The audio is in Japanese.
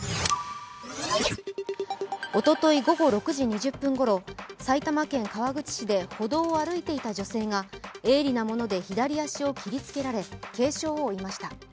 おととい午後６時２０分ごろ埼玉県川口市で歩道を歩いていた女性が鋭利なもので左足を切りつけられ、軽傷を負いました。